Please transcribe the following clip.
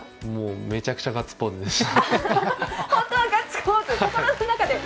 めちゃくちゃガッツポーズでした。